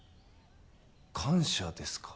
感謝ですか？